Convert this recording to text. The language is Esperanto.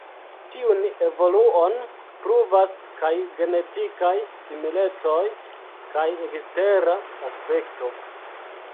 Tiun evoluon pruvas kaj genetikaj similecoj kaj ekstera aspekto.